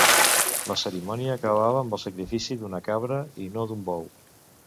La cerimònia acabava amb el sacrifici d'una cabra i no d'un bou.